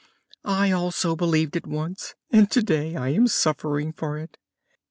I also believed it once and today I am suffering for it.